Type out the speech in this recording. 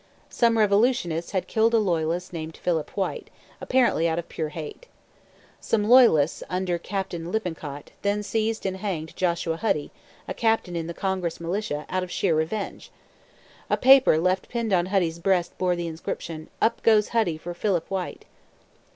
Some revolutionists had killed a Loyalist named Philip White, apparently out of pure hate. Some Loyalists, under Captain Lippincott, then seized and hanged Joshua Huddy, a captain in the Congress militia, out of sheer revenge. A paper left pinned on Huddy's breast bore the inscription: 'Up goes Huddy for Philip White.'